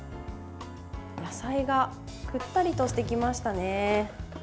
野菜がくったりとしてきましたね。